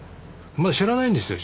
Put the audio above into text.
まだ知らないんですよ